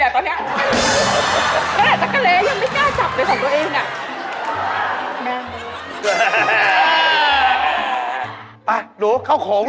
ก็แหละจังกเลยยังไม่กล้าจับเลยของกัปตัวเอง